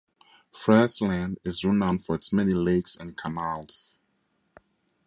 Friesland is renowned for its many lakes and canals.